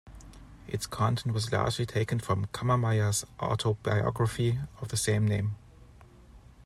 Its content was largely taken from Cammermeyer's autobiography of the same name.